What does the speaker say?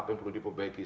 apa yang perlu diperbaiki